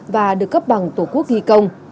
và được cấp bằng tổ quốc ghi công